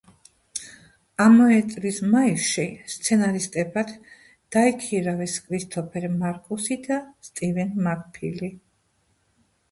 ამავე წლის მაისში სცენარისტებად დაიქირავეს კრისტოფერ მარკუსი და სტივენ მაკფილი.